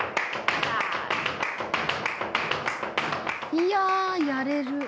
「いややれる」